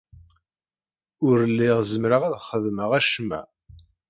Ur lliɣ zemreɣ ad xedmeɣ acemma.